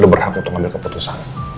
lo berhak untuk ngambil keputusan